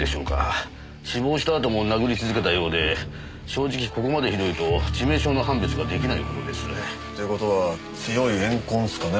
死亡したあとも殴り続けたようで正直ここまでひどいと致命傷の判別ができないほどです。という事は強い怨恨っすかね？